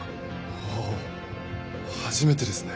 はあ初めてですね